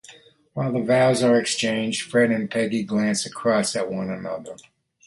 While the vows are exchanged Fred and Peggy glance across at one another.